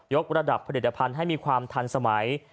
กระดับผลิตภัณฑ์ให้มีความทันสมัย